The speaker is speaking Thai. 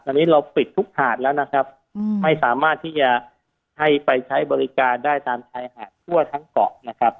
ตอนนี้เราปิดทุกหาดแล้วนะครับไม่สามารถที่จะให้ไปใช้บริการได้ตามชายหาดทั่วทั้งเกาะนะครับ